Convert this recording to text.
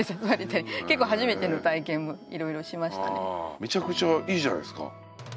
めちゃくちゃいいじゃないですか。